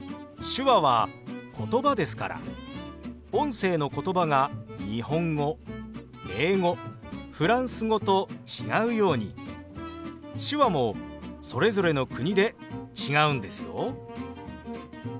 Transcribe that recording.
手話は言葉ですから音声の言葉が日本語英語フランス語と違うように手話もそれぞれの国で違うんですよ。